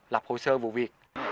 lập hồ sơ vụ việc